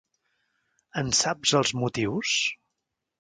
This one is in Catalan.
En sap els motius?